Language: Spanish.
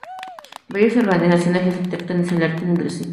Varias organizaciones las detectan y se alertan entre sí.